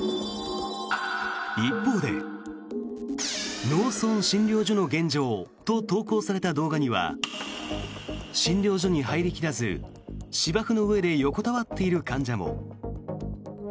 一方で、農村診療所の現状と投稿された動画には診療所に入り切らず、芝生の上で横たわっている患者も。